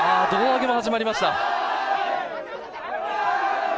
胴上げも始まりました。